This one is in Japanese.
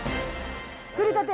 釣りたて